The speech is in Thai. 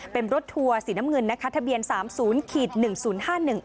เป็นรถทัวร์สีน้ำเงินนะคะทะเบียนสามศูนย์ขีดหนึ่งศูนย์ห้าหนึ่ง